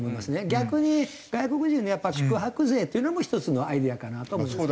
逆に外国人の宿泊税っていうのも一つのアイデアかなと思いますね。